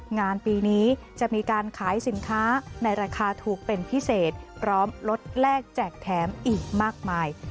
งานปีนี้จะมีการขายสินค้าในราคาถูกเป็นพิเศษพร้อมลดแลกแจกแถมอีกมากมาย